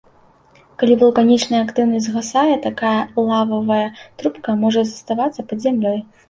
Калі вулканічная актыўнасць згасае, такая лававыя трубка можа заставацца пад зямлёй.